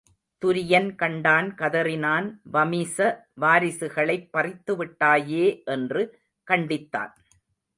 துரியன் கண்டான் கதறினான் வமிச வாரிசுகளைப் பறித்துவிட்டாயே என்று கண்டித்தான்.